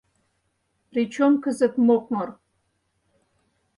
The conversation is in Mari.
— Причем кызыт мокмыр?